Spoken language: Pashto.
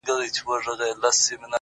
• ما به ولي کاروانونه لوټولاى,